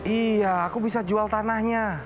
iya aku bisa jual tanahnya